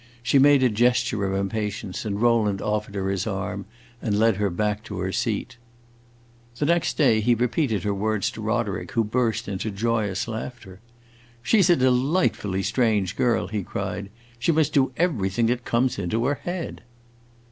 She made a gesture of impatience, and Rowland offered her his arm and led her back to her seat. The next day he repeated her words to Roderick, who burst into joyous laughter. "She 's a delightfully strange girl!" he cried. "She must do everything that comes into her head!"